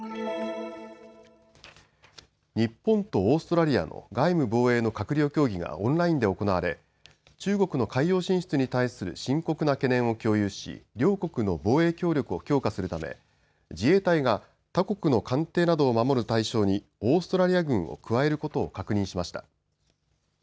日本とオーストラリアの外務・防衛の閣僚協議がオンラインで行われ中国の海洋進出に対する深刻な懸念を共有し両国の防衛協力を強化するため自衛隊が他国の艦艇などを守る対象にオーストラリア軍を加えることを確認しました。